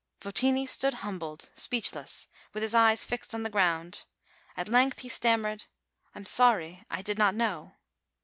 Votini stood humbled, speechless, with his eyes fixed on the ground. At length he stammered, "I am sorry ; I did not know."